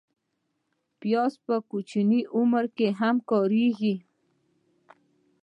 پیاز په کوچني عمر کې هم کارېږي